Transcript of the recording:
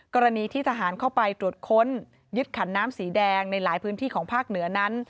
กรณีที่ทหารเข้าไปตรวจค้นยึดขันน้ำสีแดงในหลายพื้นที่ของภาคเหนือนั้น